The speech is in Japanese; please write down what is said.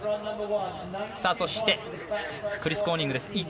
そして、クリス・コーニングです。